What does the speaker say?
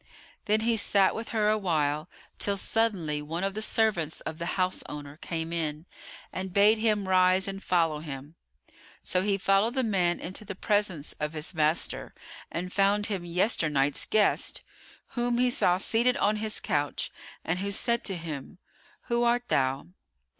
Then he sat with her awhile, till suddenly one of the servants of the houseowner came in and bade him rise and follow him. So he followed the man into the presence of his master and found him yesternight's guest, whom he saw seated on his couch and who said to him, "Who art thou?"